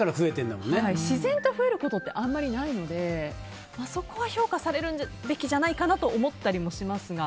自然と増えることってあまりないので、そこは評価されるべきじゃないかなと思ったりもしますが。